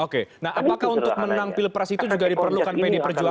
oke nah apakah untuk menang pilpres itu juga diperlukan pdi perjuangan